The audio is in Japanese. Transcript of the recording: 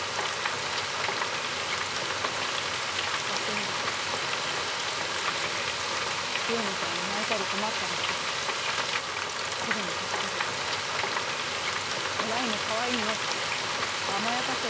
私には知恵みたいに泣いたり困ったりしてもすぐに助けてくれて「偉いねかわいいね」って甘やかす